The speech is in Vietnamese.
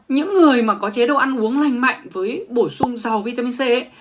những người có chế độ ăn uống lành mạnh với bổ sung dầu vitamin c